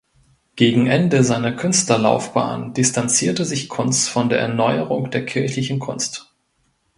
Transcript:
Gegen Ende seiner Künstlerlaufbahn distanzierte sich Kunz von der Erneuerung der kirchlichen Kunst.